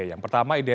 yang pertama identitas